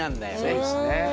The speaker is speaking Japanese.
そうですね。